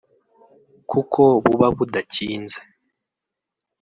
kuko buba budakinze